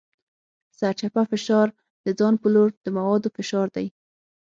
سرچپه فشار د ځان په لور د موادو فشار دی.